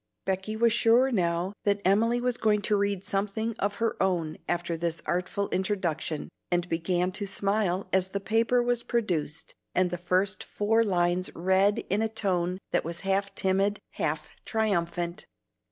Becky was sure now that Emily was going to read something of her own after this artful introduction, and began to smile as the paper was produced and the first four lines read in a tone that was half timid, half triumphant.